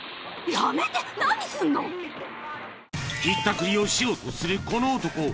［ひったくりをしようとするこの男］